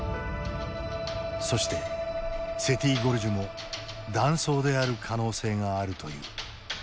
そしてセティ・ゴルジュも断層である可能性があるという。